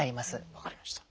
分かりました。